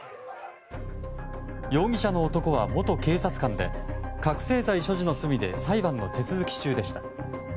容疑者の男は、元警察官で覚醒剤所持の罪で裁判の手続き中でした。